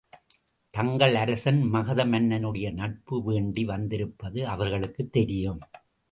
தங்கள் அரசன் மகத மன்னனுடைய நட்பு வேண்டி வந்திருப்பது அவர்களுக்குத் தெரியும்.